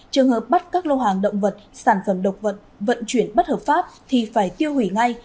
trường hợp bắt các lô hàng động vật sản phẩm động vật vận chuyển bất hợp pháp thì phải tiêu hủy ngay